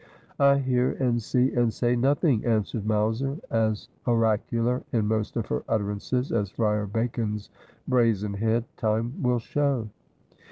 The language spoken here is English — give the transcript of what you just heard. ' I hear and see and say nothing,' answered Mowser, as ora cular in most of her utterances as Friar Bacon's brazen head. ' Time will show.'